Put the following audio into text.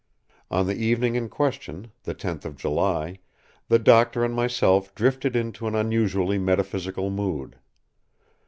On the evening in question, the tenth of July, the doctor and myself drifted into an unusually metaphysical mood.